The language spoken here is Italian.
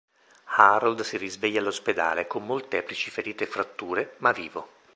Harold si risveglia all'ospedale, con molteplici ferite e fratture, ma vivo.